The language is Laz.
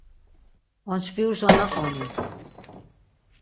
Onçviruşa naqoni.